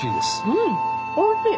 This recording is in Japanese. うんおいしい。